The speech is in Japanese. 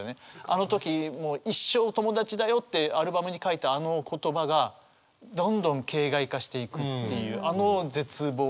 あの時もう「一生友達だよ」ってアルバムに書いたあの言葉がどんどん形骸化していくっていうあの絶望。